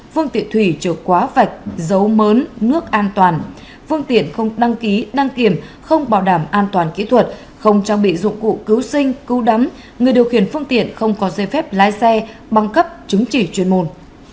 phương tiện thủy trở quá vạch giấu mớn nước an toàn phương tiện không đăng ký đăng kiểm không bảo đảm an toàn kỹ thuật không trang bị dụng cụ cứu sinh cứu đắm người điều khiển phương tiện không có dây phép lái xe băng cấp chứng chỉ chuyên môn